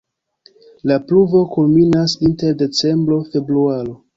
La pluvo kulminas inter decembro-februaro.